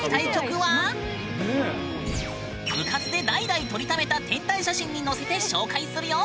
部活で代々撮りためた天体写真にのせて紹介するよ。